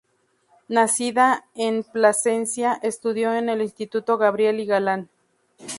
Nacida en Plasencia, estudió en el Instituto Gabriel y Galán.